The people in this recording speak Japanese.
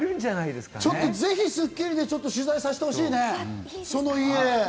ぜひ『スッキリ』で取材させてほしいね、その家。